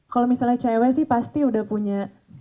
kalau misalnya cewek sih pasti udah punya